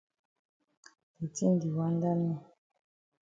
De tin di wanda me.